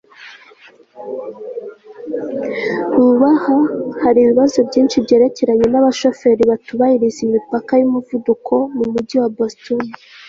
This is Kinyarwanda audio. Vuba aha hari ibibazo byinshi byerekeranye nabashoferi batubahiriza imipaka yumuvuduko mumujyi wa Boston